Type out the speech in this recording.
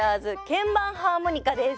鍵盤ハーモニカです。